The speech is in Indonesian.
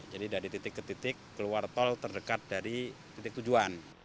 jadi dari titik ke titik keluar tol terdekat dari titik tujuan